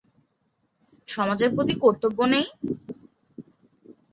সমাজের প্রতি কর্তব্য নেই?